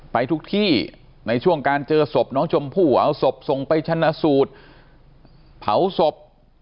ไปทุกที่ในช่วงการเจอศพน้องชมพู่เอาศพส่งไปชนะสูตรเผาศพ